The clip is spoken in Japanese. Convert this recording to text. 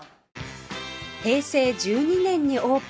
平成１２年にオープン